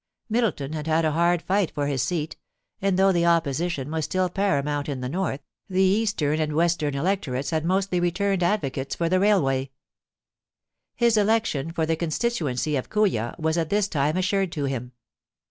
Middleton had had a hard fight for his seat, and though the Opposition was still paramoimt in the north, the eastern and M/SS LONGLEAT AT THE BUNYAS, 225 western electorates had mostly returned advocates for the railway. His election for the constituency of Kooya was at this time assured to him.